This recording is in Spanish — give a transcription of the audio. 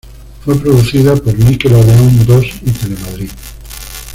Fue producida por Nickel Odeón Dos y Telemadrid.